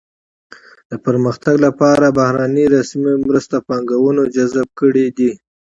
د پرمختګ لپاره بهرنیو رسمي مرستو پانګونه جذب کړې ده.